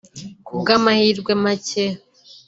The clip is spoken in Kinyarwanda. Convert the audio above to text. Ku bw’amahirwe make